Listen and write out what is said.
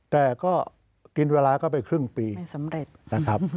แต่ก็กินเวลาก็ไปครึ่งปีไม่สำเร็จนะครับ